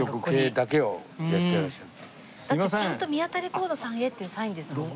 だってちゃんと「宮田レコードさんへ」っていうサインですもんね。